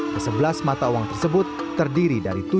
ke sebelas mata uang tersebut terdiri dari